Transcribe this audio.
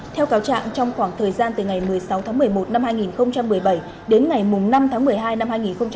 theo cáo trạng trong khoảng thời gian từ ngày một mươi sáu tháng một mươi một năm hai nghìn một mươi bảy đến ngày năm tháng một mươi hai năm hai nghìn một mươi bảy